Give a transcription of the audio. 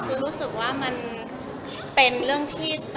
ใช่ค่ะรู้สึกว่ามันเป็นเรื่องส่วนตัวค่ะ